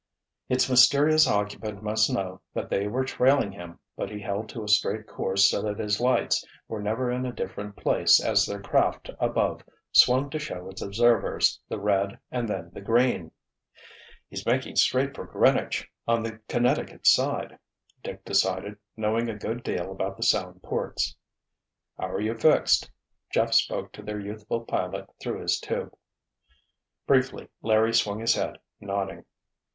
Its mysterious occupant must know that they were trailing him, but he held to a straight course so that his lights were never in a different place as their craft above swung to show its observers the red and then the green. "He's making straight for Greenwich, on the Connecticut side," Dick decided, knowing a good deal about the Sound ports. "How are you fixed?" Jeff spoke to their youthful pilot through his tube. Briefly Larry swung his head, nodding.